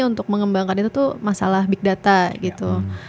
untuk mengembangkan itu tuh masalah big data gitu